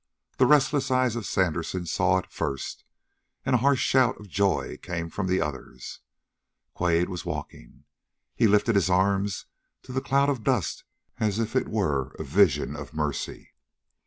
The restless eye of Sandersen saw it first, and a harsh shout of joy came from the others. Quade was walking. He lifted his arms to the cloud of dust as if it were a vision of mercy.